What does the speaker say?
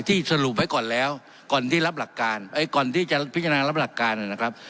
ที่สรุปไว้ก่อนแล้วก่อนที่จะพิจารณารับหลักการนะครับ